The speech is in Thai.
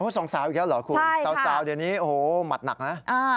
สองสาวอีกแล้วเหรอคุณสาวเดี๋ยวนี้โอ้โหหมัดหนักนะ